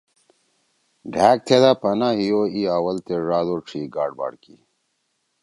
ڈھأگ تھیدا پناہ ہی او اِی آول تے ڙاد او ڇھی گاڑباڑ کی۔